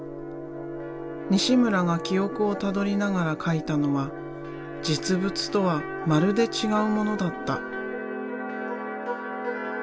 西村が記憶をたどりながら描いたのは実物とはまるで違うものだった。